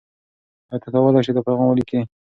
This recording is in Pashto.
آیا ته کولای شې دا پیغام ولیکې؟